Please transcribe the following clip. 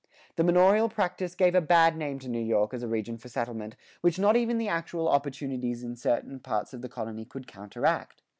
The manorial practice gave a bad name to New York as a region for settlement, which not even the actual opportunities in certain parts of the colony could counteract.